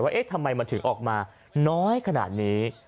เอ๊ะทำไมมันถึงออกมาน้อยขนาดนี้